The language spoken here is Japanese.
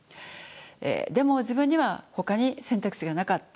でも自分にはほかに選択肢がなかった。